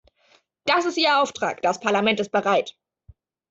Das ist Ihr Auftrag. Das Parlament ist bereit.